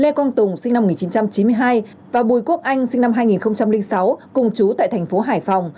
lê công tùng sinh năm một nghìn chín trăm chín mươi hai và bùi quốc anh sinh năm hai nghìn sáu cùng chú tại thành phố hải phòng